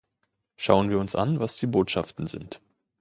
Schauen wir uns an, was die Botschaften sind.